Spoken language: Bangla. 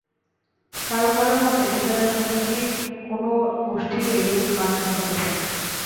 কারও কারও মতে, পেশাদার সন্ত্রাসী কোনো গোষ্ঠীও এরূপ কাণ্ড ঘটাতে পারে।